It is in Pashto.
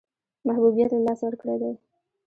محبوبیت له لاسه ورکړی دی.